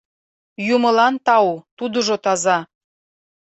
— Юмылан тау, тудыжо таза.